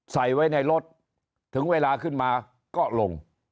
ใส่ไว้ในรถถึงเวลาขึ้นมาก็ลง